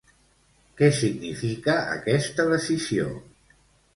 Què significa aquesta decisió?